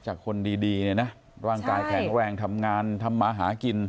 คนดีเนี่ยนะร่างกายแข็งแรงทำงานทำมาหากิน